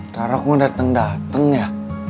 tara mau dateng dateng ya